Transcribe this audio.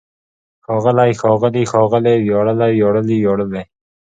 ښاغلی، ښاغلي، ښاغلې! وياړلی، وياړلي، وياړلې!